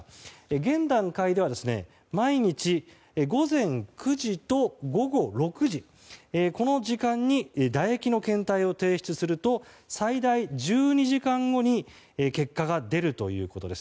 現段階では毎日午前９時と午後６時この時間に唾液の検体を提出すると最大１２時間後に結果が出るということです。